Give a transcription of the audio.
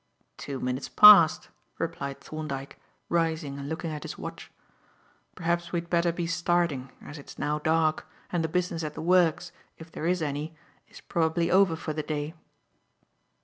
"Two minutes past," replied Thorndyke, rising and looking at his watch. "Perhaps we had better be starting as it's now dark, and the business at the works, if there is any, is probably over for the day."